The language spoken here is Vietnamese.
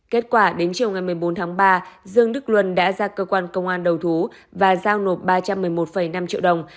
kết quả đến chiều ngày một mươi bốn tháng ba dương đức luân đã ra cơ quan công an đầu thú và giao nộp ba trăm một mươi một năm triệu đồng